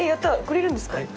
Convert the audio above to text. くれるんですか？